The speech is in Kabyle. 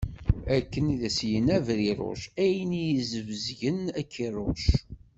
Akken i as-yenna Bṛiṛuc: ayen iyi-sbezgen, ad k-iṛuc.